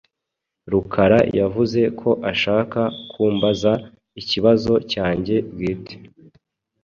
Rukara yavuze ko ashaka kumbaza ikibazo cyanjye bwite.